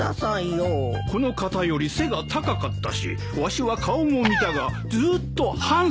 この方より背が高かったしわしは顔も見たがずっとハンサムじゃった。